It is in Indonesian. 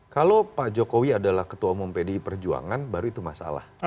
kalau pak jokowi adalah ketua umum pdi perjuangan baru itu masalah